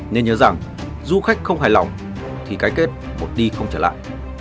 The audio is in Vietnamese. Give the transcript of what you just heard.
nên nhớ rằng du khách không hài lòng thì cái kết một đi không trở lại